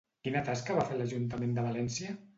Quina tasca va fer a l'Ajuntament de València?